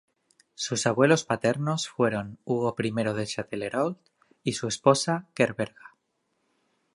Sus abuelos paternos fueron Hugo I de Châtellerault y su esposa, Gerberga.